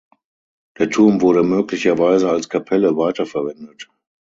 Der Turm wurde möglicherweise als Kapelle weiterverwendet.